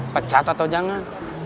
pecat atau jangan